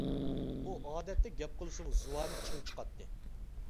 ئۇ ئادەتتە گەپ قىلسىمۇ زۇۋانى چىڭ چىقاتتى.